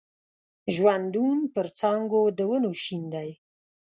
ژوندون پر څانګو د ونو شین دی